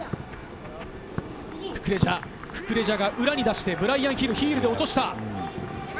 ククレジャが裏に出してブライアン・ヒル、ヒールで落とした。